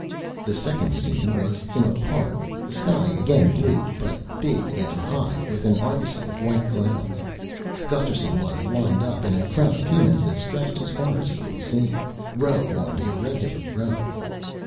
The second scene was in a park, the sky again blue, but big and high with an argosy of white clouds. Gusterson was lined up in a crowd of humans that stretched as far as he could see, row on irregular row.